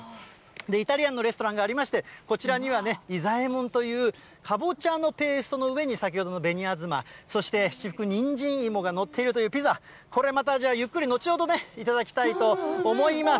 イタリアンのレストランがありまして、こちらにはね、イザエモンというかぼちゃのペーストの上に、先ほどの紅東、そして七福人参イモが載っているというピザ、これまた、じゃあ、ゆっくり後ほどね、頂きたいと思います。